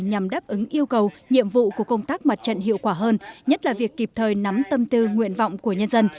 nhằm đáp ứng yêu cầu nhiệm vụ của công tác mặt trận hiệu quả hơn nhất là việc kịp thời nắm tâm tư nguyện vọng của nhân dân